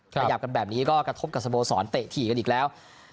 ขยับกันแบบนี้ก็กระทบกับสโมสรเตะถี่กันอีกแล้ว